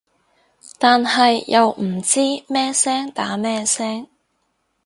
但係又唔知咩聲打咩聲